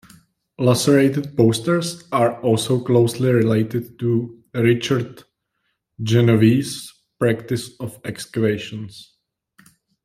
Lacerated posters are also closely related to Richard Genovese's practice of excavations.